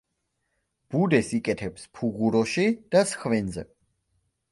ბუდეს იკეთებს ფუღუროში და სხვენზე.